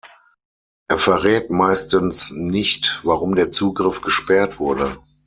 Er verrät meistens nicht, warum der Zugriff gesperrt wurde.